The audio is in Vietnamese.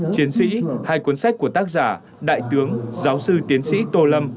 chiến sĩ hai cuốn sách của tác giả đại tướng giáo sư tiến sĩ tô lâm